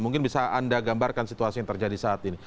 mungkin bisa anda gambarkan situasi yang terjadi saat ini